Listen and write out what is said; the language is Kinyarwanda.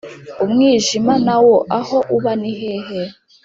Umwijima na wo aho uba ni hehe?